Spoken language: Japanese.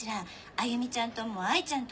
歩美ちゃんとも哀ちゃんとも。